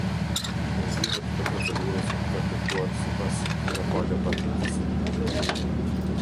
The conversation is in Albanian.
Shpenzimet e procedurës i ka kërkuar sipas nga pala paditese.